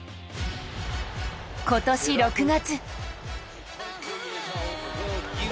今年６月。